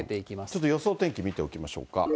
ちょっと予想天気、見ておきましょうか。